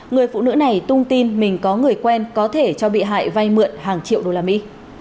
người phụ nữ này tung tin mình có người quen có thể cho bị hại vay mượn hàng triệu đô la mỹ